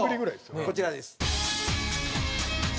こちらです。